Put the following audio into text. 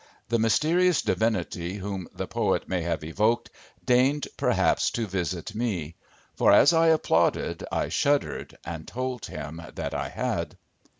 the mysterious divinity whom the poet may have evoked, deigned perhaps to visit me. For, as I applauded, I shuddered, and told him that I had.